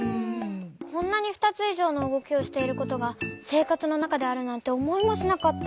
こんなにふたついじょうのうごきをしていることがせいかつのなかであるなんておもいもしなかった。